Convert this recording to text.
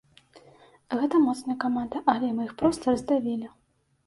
Гэта моцная каманда, але мы іх проста раздавілі.